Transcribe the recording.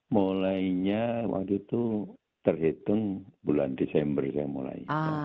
mulainya waktu itu terhitung bulan desember saya mulai